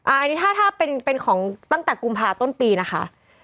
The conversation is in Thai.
อันนี้ถ้าเป็นของตั้งแต่กุมภาต้นปีนะคะ